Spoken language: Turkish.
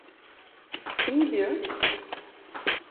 Kim gidiyor?